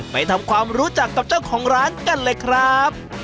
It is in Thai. ไปทำความรู้จักกับเจ้าของร้านกันเลยครับ